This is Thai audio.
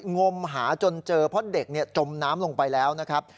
งมหาจนเจอเพราะเด็กจมน้ำลงไปแล้วนะครับ